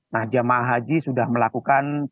nah jemaah haji sudah melakukan